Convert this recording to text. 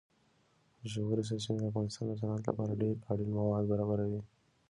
ژورې سرچینې د افغانستان د صنعت لپاره ډېر اړین مواد برابروي.